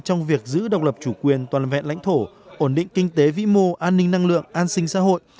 trong việc giữ độc lập chủ quyền toàn vẹn lãnh thổ ổn định kinh tế vĩ mô an ninh năng lượng an sinh xã hội